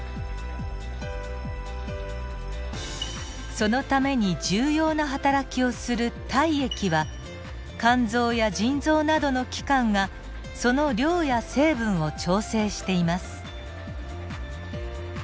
そのために重要なはたらきをする体液は肝臓や腎臓などの器官がその量や成分を調整しています。